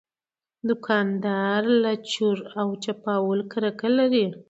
دوکاندار له چور او چپاول کرکه لري.